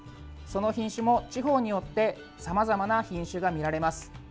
その品種も地方によってさまざまな品種が見られます。